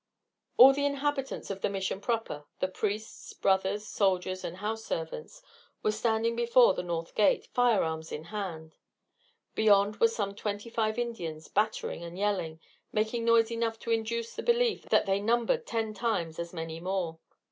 All the inhabitants of the Mission proper the priests, brothers, soldiers, and house servants were standing before the north gate, firearms in hand. Beyond were some twenty five Indians battering and yelling, making noise enough to induce the belief that they numbered ten times as many more.